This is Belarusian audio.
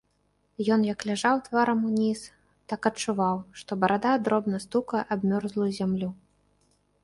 Ён як ляжаў тварам уніз, так адчуваў, што барада дробна стукае аб мёрзлую зямлю.